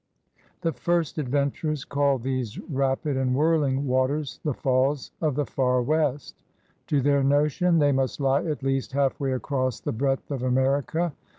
The first ad venturers called these rapid and whirling waters the Falls of the Farre West. To their notion they must lie at least half way across the breadth of America.